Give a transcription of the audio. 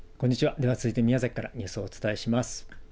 では続いて宮崎からニュースをお伝えします。